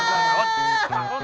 kalau hanya mu mintaaquaum